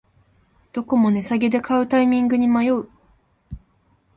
どこも値下げで買うタイミングに迷う